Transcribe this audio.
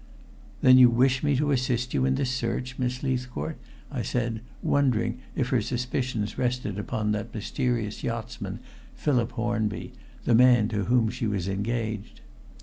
"Then you wish me to assist you in this search, Miss Leithcourt?" I said, wondering if her suspicions rested upon that mysterious yachtsman, Philip Hornby, the man to whom she was engaged.